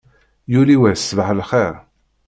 Yuli wass ṣṣbaḥ lxir.